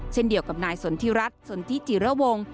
เช่นเดียวกับนายสนทิรัฐสนทิจิระวง